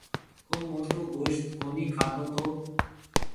او موٽو گوشت ڪونَي کاتو تو۔